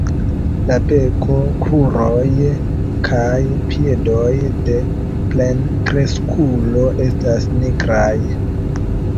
La beko, kruroj kaj piedoj de plenkreskulo estas nigraj.